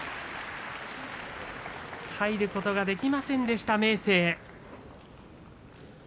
入ることができませんでした明生。